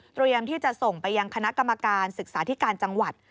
เรียนที่จะส่งไปยังคณะกรรมการศึกษาธิการจังหวัด